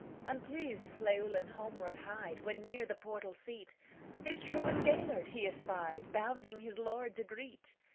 Unpleased Llewelyn homeward hied, When, near the portal seat, His truant Gêlert he espied, Bounding his lord to greet.